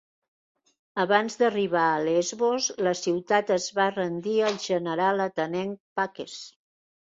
Abans d'arribar a Lesbos la ciutat es va rendir al general atenenc Paques.